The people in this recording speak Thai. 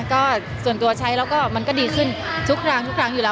ก็ส่วนตัวใช้แล้วก็มันก็ดีขึ้นทุกครั้งทุกครั้งอยู่แล้ว